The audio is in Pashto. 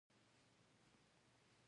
آیا فوټسال یې په اسیا کې لومړی نه دی؟